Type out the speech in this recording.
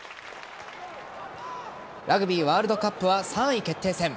ラグビーワールドカップは３位決定戦。